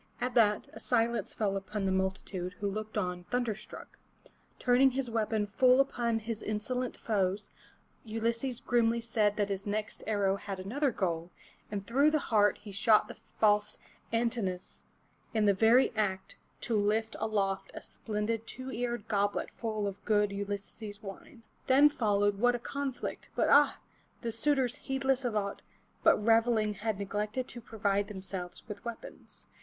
At that, a silence fell upon the multitude, who looked on thunder struck, Turning his weapon full upon his insolent foes, Ulysses grimly said that his next arrow had another goal, and through the heart he shot the false An tin'o us in the very act to lift aloft a splendid two eared goblet full of good Ulysses' wine. Then followed what a conflict! But ah! the suitors heedless of aught but reveling had neglected to provide themselves with weapons.